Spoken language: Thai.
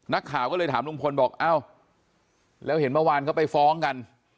นักข่าวก็เลยถามลุงพลบอกเอ้าแล้วเห็นเมื่อวานเขาไปฟ้องกัน